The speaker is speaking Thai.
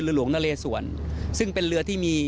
หลวงนเลสวนซึ่งเป็นเรือที่มี